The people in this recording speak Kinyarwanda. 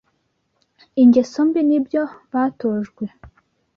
ingeso mbi n’ibyo batojwe